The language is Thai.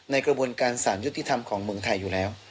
กระบวนการสารยุติธรรมของเมืองไทยอยู่แล้ว